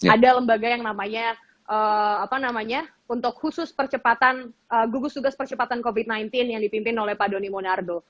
ada lembaga yang namanya untuk khusus percepatan gugus tugas percepatan covid sembilan belas yang dipimpin oleh pak doni monardo